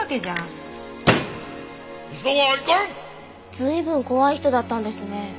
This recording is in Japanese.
随分怖い人だったんですね。